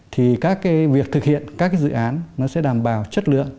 thì các cái việc thực hiện các dự án nó sẽ đảm bảo chất lượng